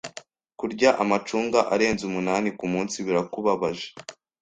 Kurya amacunga arenze umunani kumunsi birakubabaje?